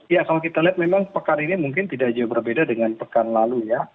ya kalau kita lihat memang pekan ini mungkin tidak jauh berbeda dengan pekan lalu ya